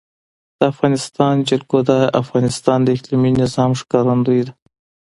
د افغانستان جلکو د افغانستان د اقلیمي نظام ښکارندوی ده.